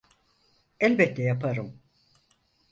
Elbette yaparım.